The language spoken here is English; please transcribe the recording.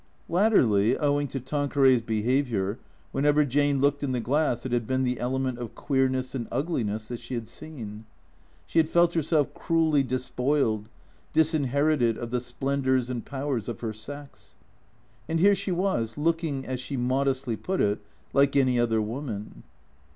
Latterly, owing to Tanqueray's behaviour, whenever Jane looked in the glass, it had been the element of queerness and ugliness that she had seen. She had felt herself cruelly despoiled, disinherited of the splendours and powers of her sex. And here she was, looking, as slie modestly put it, like any other woman.